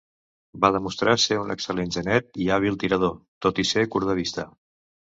Va demostrar ser un excel·lent genet i hàbil tirador, tot i ser curt de vista.